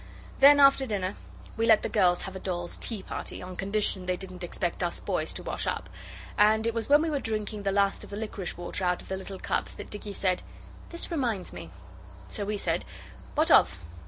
Then after dinner we let the girls have a dolls' tea party, on condition they didn't expect us boys to wash up; and it was when we were drinking the last of the liquorice water out of the little cups that Dicky said 'This reminds me.' So we said, 'What of?